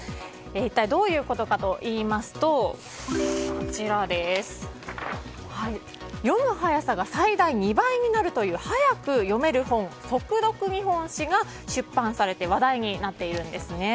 一体どういうことかといいますと読む速さが最大２倍になるという速く読める本、「速読日本史」が出版されて話題になっています。